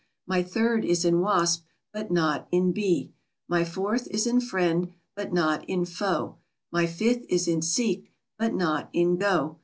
My third is in wasp, but not in bee. My fourth is in friend, but not in foe. My fifth is in seek, but not in go.